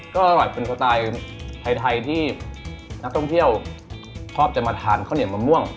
ก็อร่อยเป็นสไตล์ไทยที่นักท่องเที่ยวชอบจะมาทานข้าวเหนียวมะม่วง